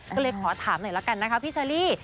ก็เลยขอถามหน่อยละกันนะคะพี่เชอรี่